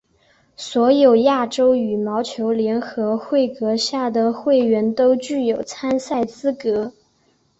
所有亚洲羽毛球联合会辖下的会员都具有参赛资格。